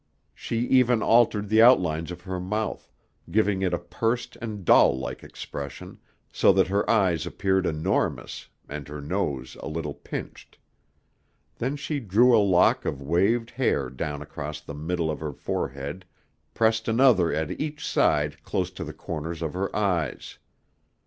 She even altered the outlines of her mouth, giving it a pursed and doll like expression, so that her eyes appeared enormous and her nose a little pinched. Then she drew a lock of waved hair down across the middle of her forehead, pressed another at each side close to the corners of her eyes.